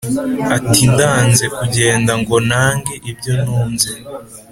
Ati ndanze kugenda ngo ntange ibyo ntunze.